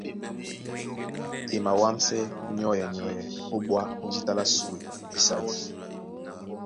E mawámsɛ́ nyɔ́yɛ nyɔ́yɛ ó bwá jǐta lá sùe ísadi.